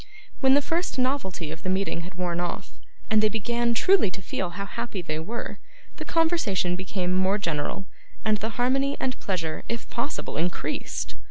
When the first novelty of the meeting had worn off, and they began truly to feel how happy they were, the conversation became more general, and the harmony and pleasure if possible increased.